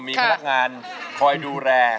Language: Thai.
มีพนักงานคอยดูแล